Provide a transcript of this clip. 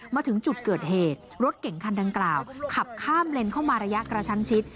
มาถึงจุดเกิดเหตุรถเก่งคันดังกล่าวขับข้ามเลนเข้ามาระยะกระชั้นชิด